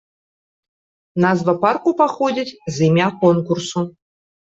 Назва парку паходзіць з імя конкурсу.